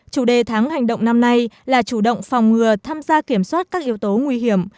chủ đề tháng hành động năm nay là chủ động phòng ngừa tham gia kiểm soát các yếu tố nguy hiểm